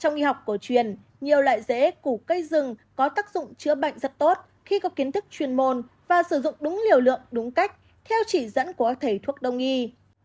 trong nghi học cổ truyền nhiều loại dễ củ cây rừng có tác dụng chữa bệnh rất tốt khi có kiến thức truyền môn và sử dụng đúng liều lượng đúng cách theo chỉ dẫn của các thầy thuốc đồng nghi